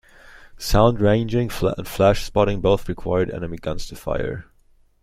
Sound ranging and flash spotting both required enemy guns to fire.